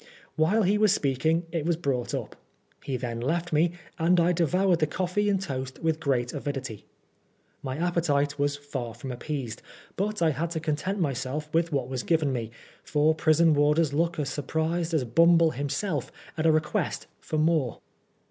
While he was speaking it was brought up. He then left me, and I devoured the coffee and toast with great avidity. My appetite was far from appeased, but I had to content myself with what was given me, for prison warders look as surprised as Bumble him self at a request for " more."